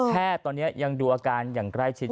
แค่ตอนนี้ยังดูอาการใกล้ชิด